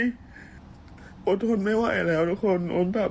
อดทนไม่ไหวแล้วทุกคนแบบ